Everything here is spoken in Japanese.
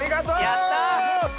やった！